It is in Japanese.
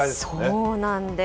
そうなんです。